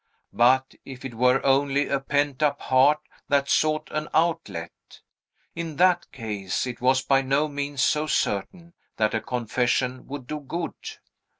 But if it were only a pent up heart that sought an outlet? in that case it was by no means so certain that a confession would do good.